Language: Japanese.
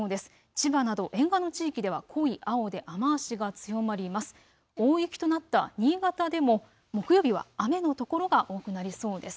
千葉など沿岸の地域では濃い青で雨足が強まります。